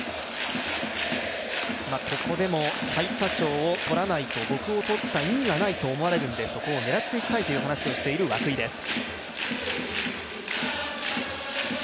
ここでも最多勝をとらないと僕をとった意味がないと思われるのでそこを狙っていきたいという話をしている涌井です。